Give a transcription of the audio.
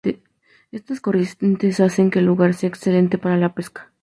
Estas corrientes hacen que el lugar sea excelente para la pesca.